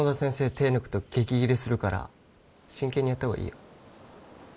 手抜くと激ギレするから真剣にやった方がいいよ